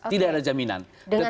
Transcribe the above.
tidak ada jaminan